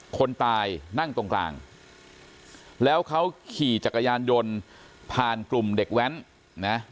คนตายนั่งตรงกลางแล้วเขาขี่จักรยานยนต์ผ่านกลุ่มเด็กแว้นนะ